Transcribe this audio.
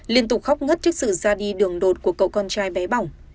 liên tục khóc ngất trước sự ra đi đường đột của cậu con trai bé bỏng